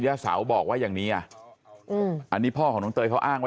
เสาบอกว่าอย่างนี้อ่ะอืมอันนี้พ่อของน้องเตยเขาอ้างไว้